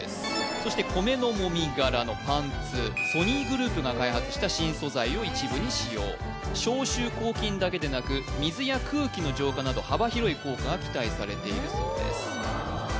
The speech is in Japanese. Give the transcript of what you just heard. そして米のもみ殻のパンツソニーグループが開発した新素材を一部に使用消臭・抗菌だけでなく水や空気の浄化など幅広い効果が期待されているそうです